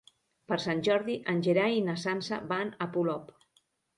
Per Sant Jordi en Gerai i na Sança van a Polop.